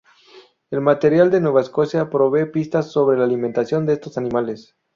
El material de Nueva Escocia provee pistas sobre la alimentación de estos animales.